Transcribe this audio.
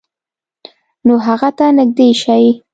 نو هغه ته نږدې شئ،